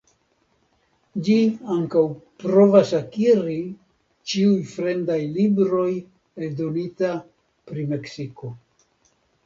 Ĝi ankaŭ provas akiri ĉiuj fremdaj libroj eldonita pri Meksiko.